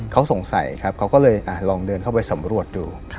เขาสงสัยครับเขาก็เลยลองเดินเข้าไปสำรวจดู